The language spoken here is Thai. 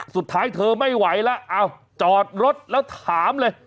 สุดท้ายเธอไม่ไหวแล้วจอดรถแล้วถามเลย